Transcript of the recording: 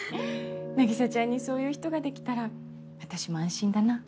凪沙ちゃんにそういう人ができたら私も安心だな。